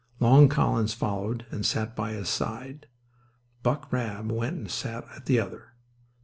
Long Collins followed and sat by his side. Buck Rabb went and sat at the other.